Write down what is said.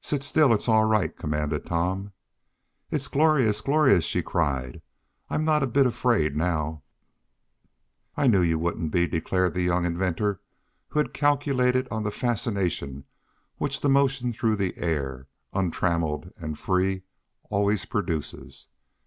"Sit still! It's all right!" commanded Tom. "It's glorious; glorious!" she cried. "I'm not a bit afraid now!" "I knew you wouldn't be," declared the young inventor, who had calculated on the fascination which the motion through the air, untrammeled and free, always produces.